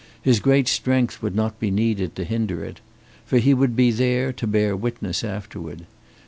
His great strength would not be needed to hinder it. For he would be there, to bear witness afterward.